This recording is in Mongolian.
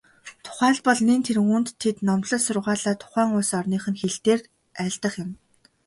Тухайлбал, нэн тэргүүнд тэд номлол сургаалаа тухайн улс орных нь хэл дээр айлдах юм.